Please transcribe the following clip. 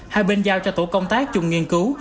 hai bên giao cho tổ công tác chung nghiên cứu